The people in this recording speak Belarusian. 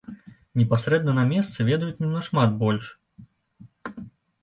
Непасрэдна на месцы ведаюць не нашмат больш.